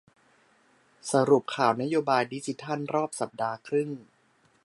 สรุปข่าวนโยบายดิจิทัลรอบสัปดาห์ครึ่ง